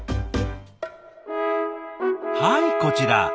はいこちら。